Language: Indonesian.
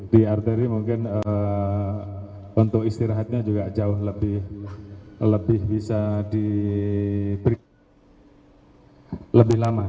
di arteri mungkin untuk istirahatnya juga jauh lebih bisa diberikan lebih lama